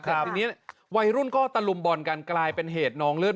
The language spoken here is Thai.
แต่ทีนี้วัยรุ่นก็ตะลุมบอลกันกลายเป็นเหตุน้องเลือด